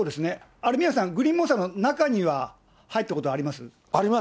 あれ、宮根さん、グリーンモンスターの中には入ったことあります？